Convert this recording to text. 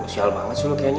sial banget sih lo kayaknya